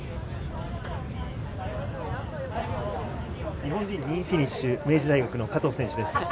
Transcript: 日本人２位フィニッシュ、明治大学・加藤選手です。